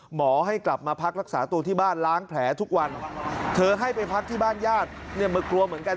หมอให้กลับมาพักรักษาตัวที่บ้านล้างแผลทุกวันเธอให้ไปพักที่บ้านญาติเนี่ยมากลัวเหมือนกัน